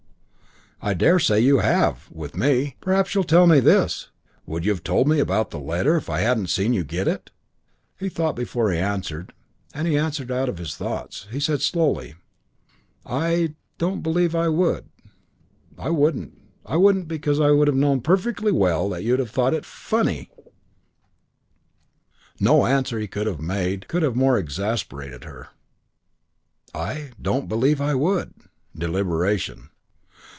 "I daresay you have with me. Perhaps you'll tell me this would you have told me about the letter if I hadn't seen you get it?" He thought before he answered and he answered out of his thoughts. He said slowly, "I don't believe I would. I wouldn't. I wouldn't because I'd have known perfectly well that you'd have thought it funny." XII No answer he could have made could have more exasperated her. "I don't believe I would." Deliberation!